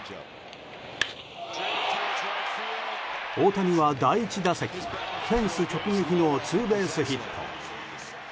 大谷は第１打席、フェンス直撃のツーベースヒット。